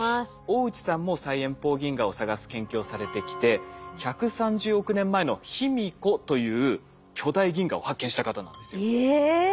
大内さんも最遠方銀河を探す研究をされてきて１３０億年前のヒミコという巨大銀河を発見した方なんですよ。え！